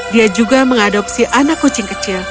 dia juga mengadopsi anak kucing kecil